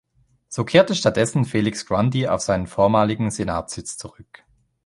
So kehrte stattdessen Felix Grundy auf seinen vormaligen Senatssitz zurück.